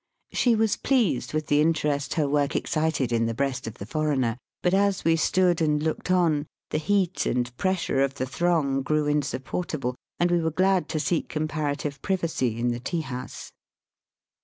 She was pleased with the interest her work excited in the breast of the foreigner, but as we stood and looked on, the heat and pressure of the throng grew insupportable, and we were glad to seek com parative privacy in the tea house.